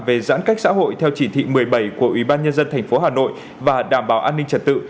về giãn cách xã hội theo chỉ thị một mươi bảy của ubnd tp hà nội và đảm bảo an ninh trật tự